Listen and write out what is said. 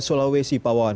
di sulawesi pawawan